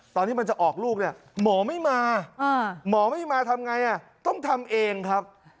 ตอนที่มันจะออกลูกเนี่ยหมอไม่มาหมอไม่มาทำไงต้องทำเองครับ